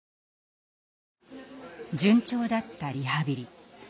順調だったリハビリ。